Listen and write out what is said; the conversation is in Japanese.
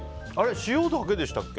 塩だけでしたっけ？